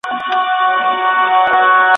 پر قاتل یې زیارت جوړ دی بختور دی